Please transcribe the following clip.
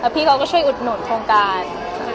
พี่เขาก็ช่วยอุดหนุนโครงการ